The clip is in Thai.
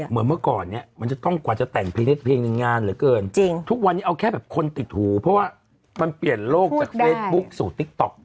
เมื่อก่อนเนี่ยมันจะต้องกว่าจะแต่งเพลงในงานเหลือเกินจริงทุกวันนี้เอาแค่แบบคนติดหูเพราะว่ามันเปลี่ยนโลกจากเฟซบุ๊คสู่ติ๊กต๊อก